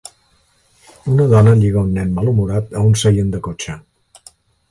Una dona lliga un nen malhumorat a un seient de cotxe.